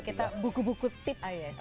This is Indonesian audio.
kita buku buku tips